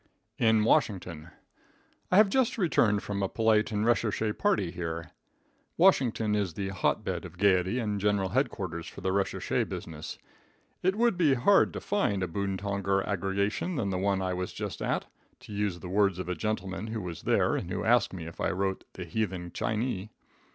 In Washington. I have just returned from a polite and recherche party here. Washington is the hot bed of gayety, and general headquarters for the recherche business. It would be hard to find a bontonger aggregation than the one I was just at, to use the words of a gentleman who was there, and who asked me if I wrote "The Heathen Chinee."